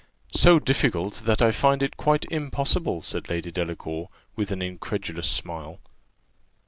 "So difficult, that I find it quite impossible," said Lady Delacour, with an incredulous smile.